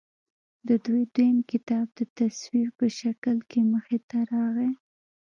د دوي دويم کتاب د تصوير پۀ شکل کښې مخې ته راغے